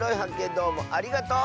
どうもありがとう！